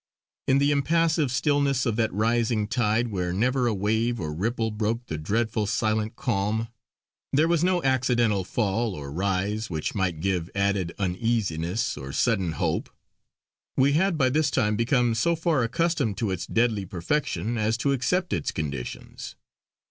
In the impassive stillness of that rising tide, where never a wave or ripple broke the dreadful, silent, calm, there was no accidental fall or rise which might give added uneasiness or sudden hope. We had by this time become so far accustomed to its deadly perfection as to accept its conditions.